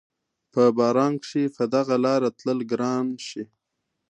په باران کښې په دغه لاره تلل ګران شي